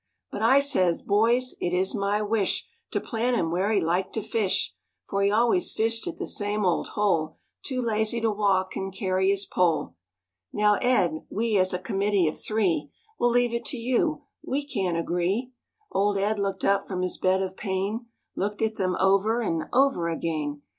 But I says, 'Boys, it is my wish, To plant him where he liked to fish; For he always fished at the same old hole, Too lazy to walk and carry his pole.' Now Ed, we as a committee of three, Will leave it to you, we can't agree." Old Ed looked up from his bed of pain, Looked at them over and over again.